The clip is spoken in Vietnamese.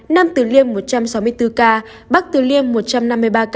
nam từ liêm một trăm sáu mươi bốn ca bắc từ liêm một trăm năm mươi ba ca